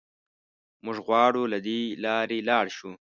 موږ غواړو له دې لارې لاړ شو.